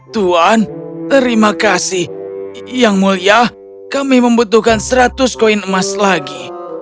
tuhan terima kasih yang mulia kami membutuhkan seratus koin emas lagi